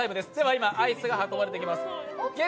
今、アイスが運ばれてきます。